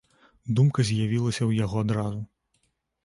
Думка з'явілася ў яго адразу.